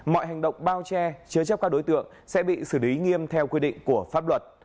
mọi hành động bao che chứa chấp các đối tượng sẽ bị xử lý nghiêm theo quy định của pháp luật